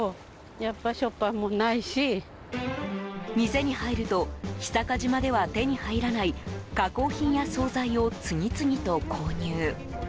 店に入ると久賀島では手に入らない加工品や総菜を次々と購入。